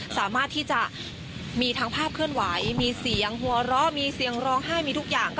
สามารถที่จะมีทั้งภาพเคลื่อนไหวมีเสียงหัวเราะมีเสียงร้องไห้มีทุกอย่าง